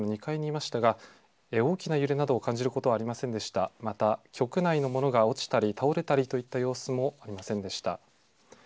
また、局内の物が落ちたり、倒れたりといった様子もありませんでした。